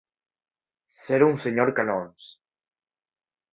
Ser un senyor Canons.